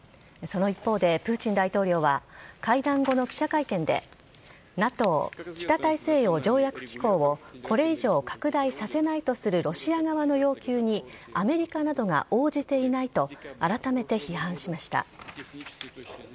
その一方で、プーチン大統領は、会談後の記者会見で、ＮＡＴＯ・北大西洋条約機構を、これ以上拡大させないとするロシア側の要求に、アメリカなどが応じていないと、改めて批判しました。